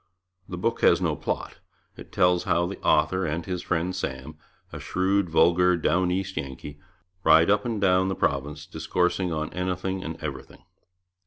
The book has no plot. It tells how the author and his friend Sam, a shrewd vulgar Down East Yankee, ride up and down the province discoursing on anything and everything.